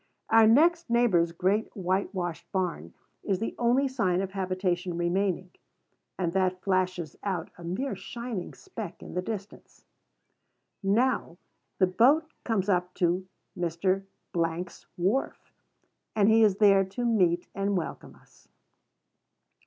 Our next neighbor's great whitewashed barn is the only sign of habitation remaining; and that flashes out a mere shining speck in the distance. Now the boat comes up to Mr. 's wharf; and he is there to meet and welcome us.